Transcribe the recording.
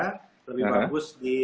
ini bisa dibuat oleh siapa aja